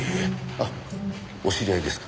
あっお知り合いですか？